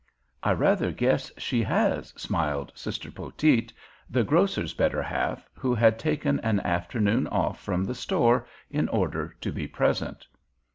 "I rather guess she has," smiled Sister Poteet, the grocer's better half, who had taken an afternoon off from the store in order to be present.